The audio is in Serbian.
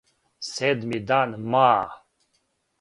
Седми дан ма,